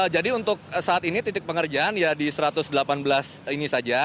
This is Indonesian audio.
jadi untuk saat ini titik pengerjaan ya di satu ratus delapan belas ini saja